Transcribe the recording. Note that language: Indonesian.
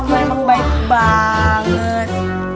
wow kamu enak banget